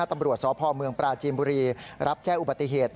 ตำรวจสพเมืองปราจีนบุรีรับแจ้งอุบัติเหตุ